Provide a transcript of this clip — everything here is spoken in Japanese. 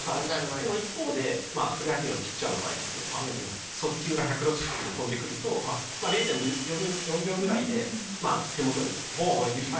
でも一方でプロ野球のピッチャーの場合速球が１６０キロで飛んで来ると０．４秒ぐらいで手元に届いてしまう。